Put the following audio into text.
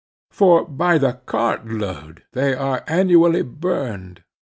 For by the cart load they are annually burned.